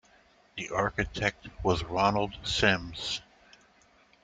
The architect was Ronald Sims.